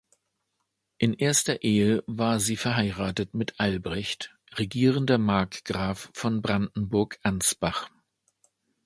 In erster Ehe war sie verheiratet mit Albrecht, regierender Markgraf von Brandenburg-Ansbach.